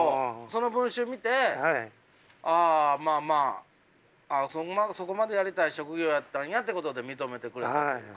その文集見てああまあまあそこまでやりたい職業やったんやっていうことで認めてくれたという。